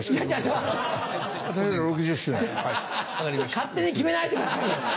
勝手に決めないでくださいよ！